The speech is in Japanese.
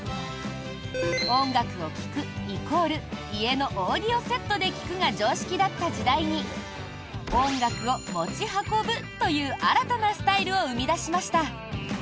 音楽を聴くイコール家のオーディオセットで聴くが常識だった時代に音楽を持ち運ぶという新たなスタイルを生み出しました。